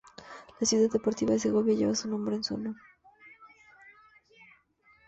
La Ciudad Deportiva de Segovia lleva su nombre en su honor.